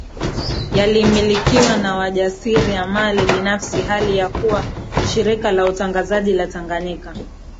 yalimilikiwa na wajasiriamali binafsi hali ya kuwa Shirika la Utangazaji la Tanganyika